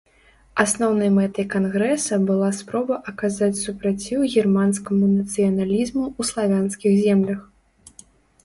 Асноўнай мэтай кангрэса была спроба аказаць супраціў германскаму нацыяналізму ў славянскіх землях.